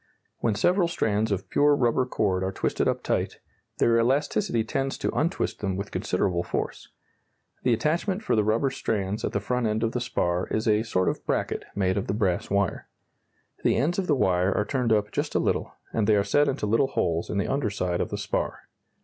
When several strands of pure rubber cord are twisted up tight, their elasticity tends to untwist them with considerable force. The attachment for the rubber strands at the front end of the spar is a sort of bracket made of the brass wire. The ends of the wire are turned up just a little, and they are set into little holes in the under side of the spar.